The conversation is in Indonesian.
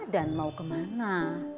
dan mau kemana